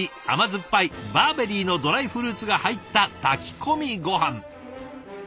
甘酸っぱいバーベリーのドライフルーツが入った炊き込みごはん。